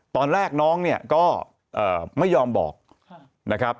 ตอนแรกน้องเนี่ยก็ไม่ยอมบอกนะครับ